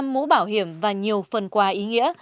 một trăm linh mũ bảo hiểm và nhiều phần quà ý nghĩa